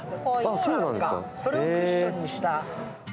それをクッションにした。